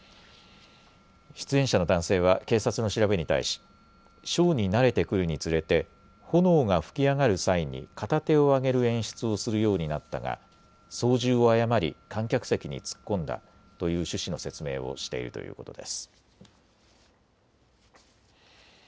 出演者の男性は警察の調べに対しショーに慣れてくるにつれて炎が吹き上がる際に片手を上げる演出をするようになったが操縦を誤り観客席に突っ込んだという趣旨の説明をしているということです。